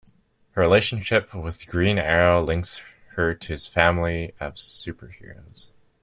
Her relationship with Green Arrow links her to his family of superheroes.